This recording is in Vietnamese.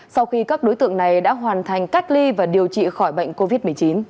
sau khi các đối tượng này đã hoàn thành cách ly và điều trị khỏi bệnh covid một mươi chín